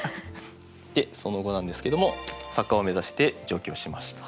でその後なんですけども作家を目指して上京しました。